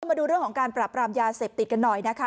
มาดูเรื่องของการปราบรามยาเสพติดกันหน่อยนะคะ